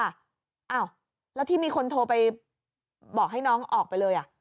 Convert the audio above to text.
อ้าวแล้วที่มีคนโทรไปบอกให้น้องออกไปเลยอ่ะ